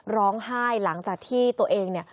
ร้องไห้หลังจากที่ตัวเอง